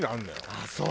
ああそう？